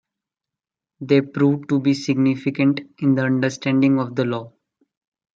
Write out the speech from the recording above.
They proved to be significant in the understanding of the law.